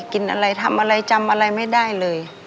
กินอะไรทำอะไรจำอะไรไม่ได้เลย